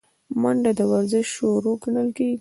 منډه د ورزش شروع ګڼل کېږي